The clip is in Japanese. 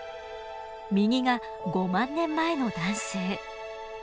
右が５万年前の男性。